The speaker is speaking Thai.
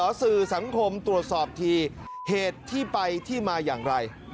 สื่อสังคมตรวจสอบทีเหตุที่ไปที่มาอย่างไร